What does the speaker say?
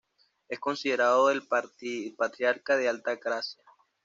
Es considerado el patriarca de Alta Gracia.